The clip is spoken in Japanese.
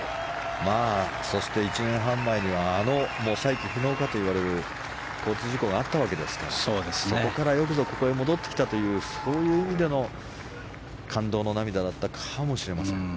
そして１年半前にはあの再起不能かといわれる交通事故があったわけですからそこからよくぞここへ戻ってきたというそういう意味での感動の涙だったかもしれません。